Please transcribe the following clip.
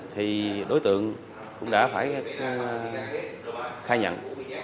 thì đối tượng cũng đã phải khai nhận